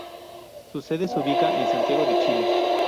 Su sede se ubica en Santiago de Chile.